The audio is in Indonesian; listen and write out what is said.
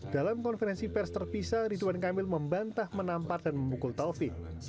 dalam konferensi pers terpisah ridwan kamil membantah menampar dan memukul taufik